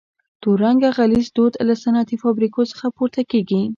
تور رنګه غلیظ دود له صنعتي فابریکو څخه پورته کیږي.